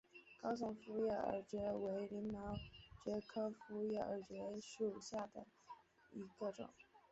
高耸复叶耳蕨为鳞毛蕨科复叶耳蕨属下的一个种。